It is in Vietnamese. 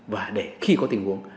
và để khi có tình huống